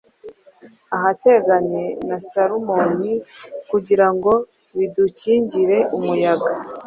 ahateganye na Salumoni kugira ngo kidukingire umuyaga.